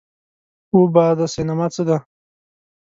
اووه بعدی سینما څه ده؟